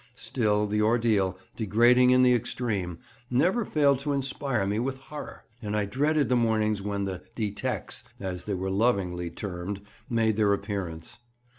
Still the ordeal, degrading in the extreme, never failed to inspire me with horror; and I dreaded the mornings when the "detecs," as they were lovingly termed, made their appearance.